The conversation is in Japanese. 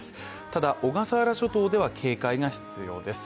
ただ、小笠原諸島では警戒が必要です。